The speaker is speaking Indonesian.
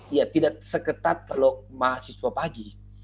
iya tidak seketat kalau mahasiswa pagi